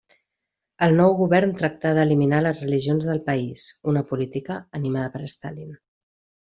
El nou govern tractà d'eliminar les religions del país, una política animada per Stalin.